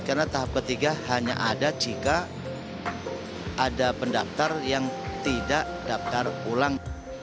karena tahap ketiga hanya ada jika ada pendaftar yang tidak daftar ulang